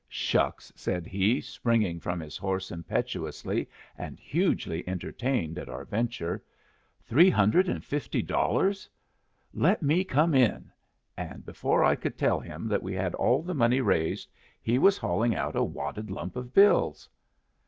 "Shucks!" said he, springing from his horse impetuously, and hugely entertained at our venture. "Three hundred and fifty dollars? Let me come in"; and before I could tell him that we had all the money raised, he was hauling out a wadded lump of bills.